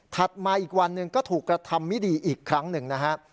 มาอีกวันหนึ่งก็ถูกกระทำไม่ดีอีกครั้งหนึ่งนะฮะ